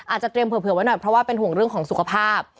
อาจจะเตรียมเผื่อไว้หน่อยเพราะว่าเป็นห่วงเรื่องของสุขภาพ